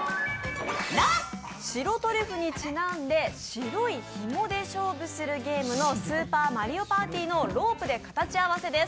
白トリュフにちなんで白いひもで勝負するゲーム、「スーパーマリオパーティ」の「ロープでかたちあわせ」です。